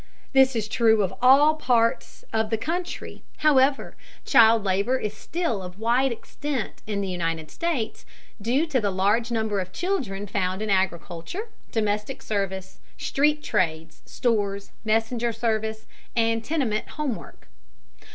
This is true of all parts of the country. However, child labor is still of wide extent in the United States, due to the large number of children found in agriculture, domestic service, street trades, stores, messenger service, and tenement homework.